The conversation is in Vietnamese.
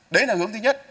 đấy là hướng thứ nhất